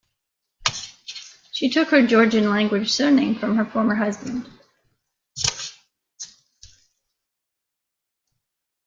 She took her Georgian-language surname from her former husband.